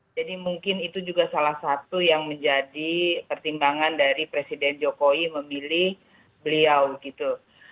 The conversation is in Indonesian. jadi mungkin itu juga salah satu yang menjadi pertimbangan dari presiden jokowi memilih beliau gitu